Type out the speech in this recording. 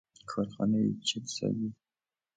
کارخانهٔ چیت سازی